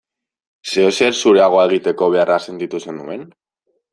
Zeozer zureagoa egiteko beharra sentitu zenuen?